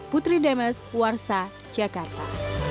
putri demes warsa jakarta